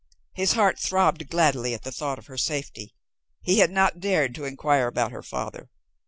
His heart throbbed gladly at the thought of her safety. He had not dared to inquire after her father.